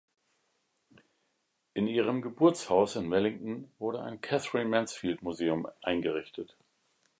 In ihrem Geburtshaus in Wellington wurde ein "Katherine-Mansfield-Museum" eingerichtet.